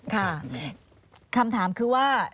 ค่ะคำถามคือว่า